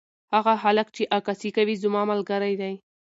هغه هلک چې عکاسي کوي زما ملګری دی.